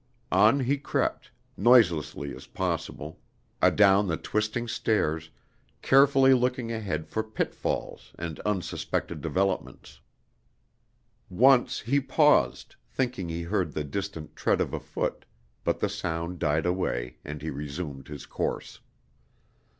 On he crept, noiselessly as possible, adown the twisting stairs, carefully looking ahead for pitfalls and unsuspected developments. Once he paused, thinking he heard the distant tread of a foot, but the sound died away, and he resumed his course.